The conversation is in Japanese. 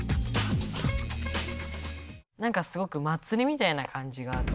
なんかすごく祭りみたいな感じが。